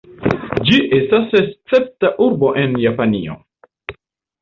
Ĝi estas Escepta urbo en Japanio.